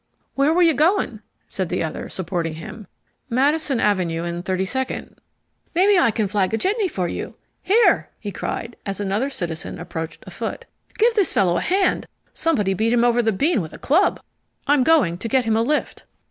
"Where were you going?" said the other, supporting him. "Madison Avenue and Thirty Second " "Maybe I can flag a jitney for you. Here," he cried, as another citizen approached afoot, "Give this fellow a hand. Someone beat him over the bean with a club. I'm going to get him a lift."